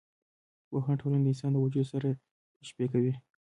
پوهان ټولنه د انسان د وجود سره تشبي کوي.